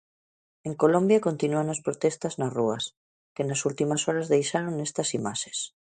En Colombia continúan as protestas nas rúas, que nas últimas horas deixaron estas imaxes.